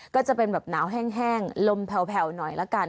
ก็จะเป็นแบบหนาวแห้งแห้งลมแผลวแผลวหน่อยแล้วกัน